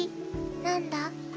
なんだ？